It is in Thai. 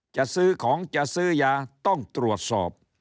จะซื้อของจะซื้อยาต้องตรวจสอบ